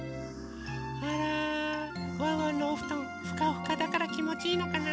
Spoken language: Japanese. あらワンワンのおふとんふかふかだからきもちいいのかな？